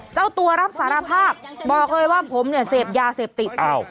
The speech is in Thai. เจ้าตัวรับสารภาพบอกเลยว่าผมเนี่ยเสพยาเสพติด